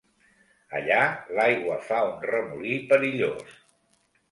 Allà l'aigua fa un remolí perillós.